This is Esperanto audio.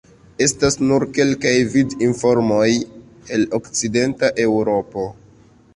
Estas nur kelkaj vid-informoj el Okcidenta Eŭropo.